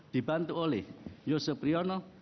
dibantu oleh yosep riono